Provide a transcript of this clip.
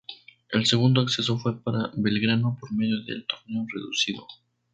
El segundo ascenso fue para Belgrano por medio del Torneo reducido.